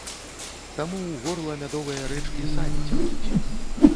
Таму ў горла мядовыя рэчкі самі цякуць.